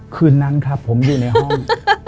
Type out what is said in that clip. คืนนั้นครับผมอยู่ในห้อง